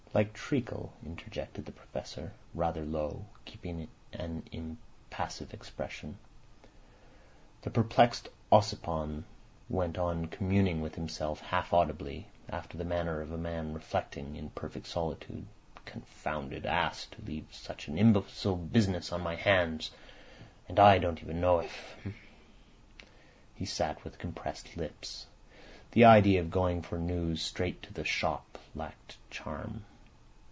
"Like treacle," interjected the Professor, rather low, keeping an impassive expression. The perplexed Ossipon went on communing with himself half audibly, after the manner of a man reflecting in perfect solitude. "Confounded ass! To leave such an imbecile business on my hands. And I don't even know if—" He sat with compressed lips. The idea of going for news straight to the shop lacked charm.